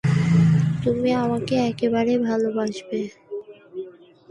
তুমি আমাকে একেবারেই ভালবাসবে।